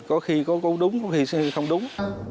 có khi có đúng có khi không đúng